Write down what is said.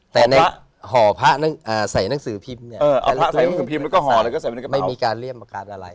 แต่ในห่อพระใส่หนังสือพิมพ์เนี่ยไม่มีการเลี่ยงประกาศอะไร